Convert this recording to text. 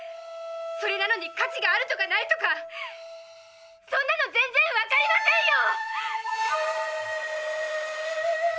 それなのに価値があるとかないとかそんなの全然わかりませんよ！